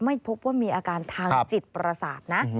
ไม่พบว่ามีอาการทางจิตประสาทนะ